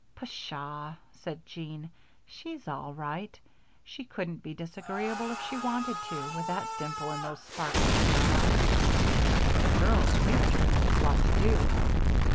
"Pshaw!" said Jean. "She's all right. She couldn't be disagreeable if she wanted to with that dimple and those sparkles in her eyes; but, girls, we've a tremendous lot to do."